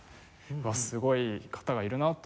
すごい方がいるなと。